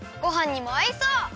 ごはんにもあいそう！